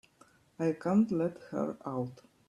I can't let her out.